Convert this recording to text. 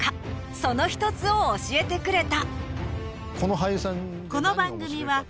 その１つを教えてくれた！